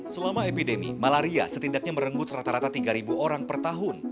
selama epidemi malaria setidaknya merenggut rata rata tiga orang per tahun